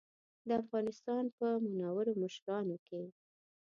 د افغانستان په منورو مشرانو کې.